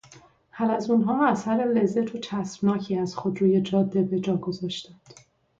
حلزونها اثر لزج و چسبناکی از خود روی جاده به جا گذاشتند.